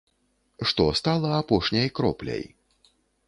Што стала апошняй кропляй?